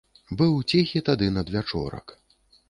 Быў ціхі тады надвячорак.